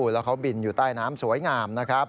แล้วเขาบินอยู่ใต้น้ำสวยงามนะครับ